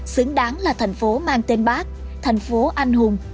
xứng đáng là thành phố mang tên bác thành phố anh hùng